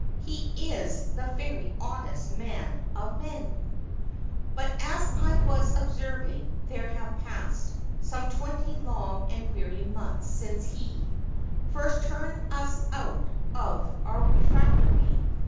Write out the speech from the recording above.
He is the very oddest man of men! But, as I was observing, there have passed Some twenty long and weary months since he First turned us out of our refectory.